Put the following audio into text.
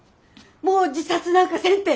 もう自殺なんかせんて。